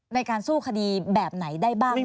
ในการสู้คดีแบบไหนได้บ้าง